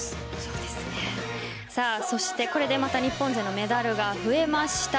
これでまた日本勢のメダルが増えました。